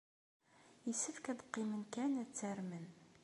Yessefk ad qqimen kan ad ttarmen.